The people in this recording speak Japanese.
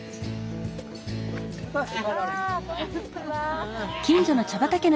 こんにちは。